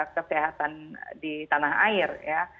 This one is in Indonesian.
kesehatan di tanah air ya